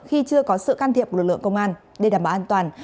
khi chưa có sự can thiệp của lực lượng công an để đảm bảo an toàn